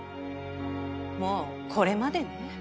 もうこれまでね。